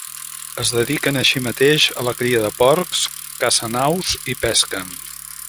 Es dediquen així mateix a la cria de porcs, cacen aus i pesquen.